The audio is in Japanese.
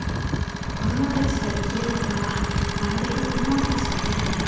子どもたちでできることはなるべく子どもたちだけで。